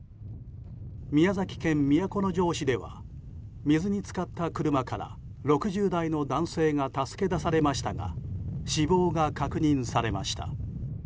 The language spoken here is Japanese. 宮崎県都城市では水に浸かった車から６０代の男性が助け出されましたが死亡が確認されました。